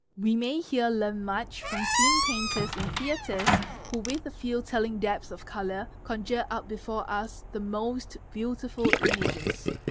We may here learn much from scene painters in theatres who with a few telling dabs of colour conjure up before us the most beautiful images.